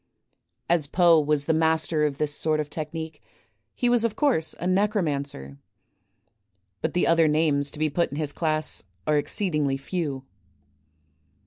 As Poe was the master of this sort of technique, he was of course a necromancer; but the other names to be put in his class are exceedingly few.